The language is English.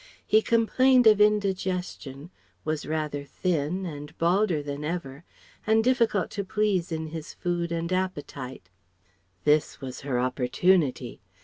He complained of indigestion, was rather thin, and balder than ever, and difficult to please in his food and appetite. This was her opportunity.